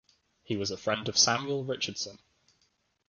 He was a friend of Samuel Richardson.